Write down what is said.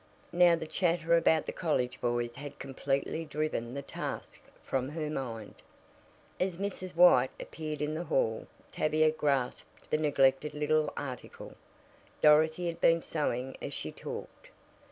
Now the chatter about the college boys had completely driven the task from her mind. As Mrs. White appeared in the hall Tavia grasped the neglected little article. Dorothy had been sewing as she talked.